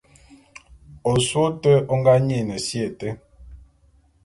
Osôé ôte ô ngá nyin si été.